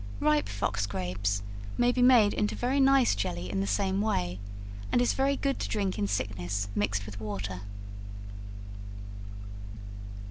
Ripe fox grapes may be made into very nice jelly in the same way, and is very good to drink in sickness, mixed with water.